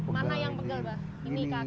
mana yang pegel pak